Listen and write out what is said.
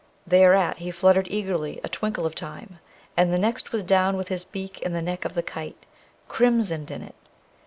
Thereat he fluttered eagerly a twinkle of time, and the next was down with his beak in the neck of the kite, crimsoned in it.